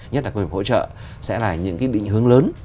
nhất là công nghiệp hỗ trợ sẽ là những cái định hướng lớn